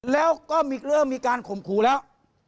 แล้วก็เริ่มมีการข่มขู่แล้ว